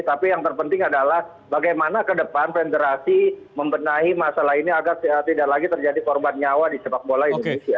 tapi yang terpenting adalah bagaimana ke depan federasi membenahi masalah ini agar tidak lagi terjadi korban nyawa di sepak bola indonesia